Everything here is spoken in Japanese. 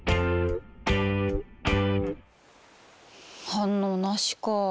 反応なしか。